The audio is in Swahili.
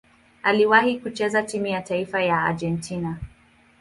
Aliwahi kucheza timu ya taifa ya Argentina.